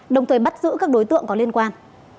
đồng thời bắt giữ các đối tượng có liên quan